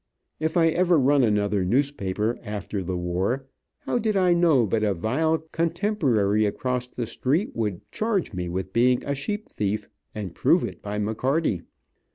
If I ever run another newspaper, after the war, how did I know but a vile contemporary across the street would charge me with being a sheep thief, and prove it by McCarty.